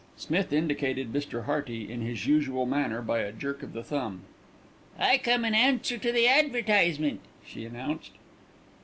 Smith indicated Mr. Hearty in his usual manner by a jerk of the thumb. "I come in answer to the advertisement," she announced.